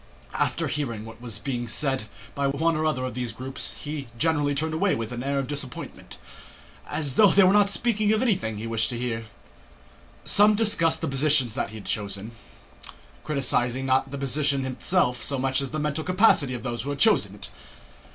After hearing what was being said by one or other of these groups he generally turned away with an air of disappointment, as though they were not speaking of anything he wished to hear. Some discussed the position that had been chosen, criticizing not the position itself so much as the mental capacity of those who had chosen it.